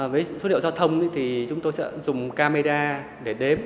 với số liệu giao thông thì chúng tôi sẽ dùng camera để đếm